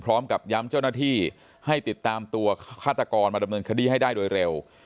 พร้อมกับย้ำเจ้าหน้าที่ให้ติดตามตัวฆาตกรมาดำเนินคดีให้ได้โดยเร็ว